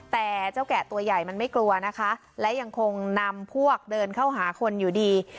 แต่เจ้าแกะตัวใหญ่มันไม่กลัวนะคะและยังคงนำพวกเดินเข้าหาคนอยู่ดี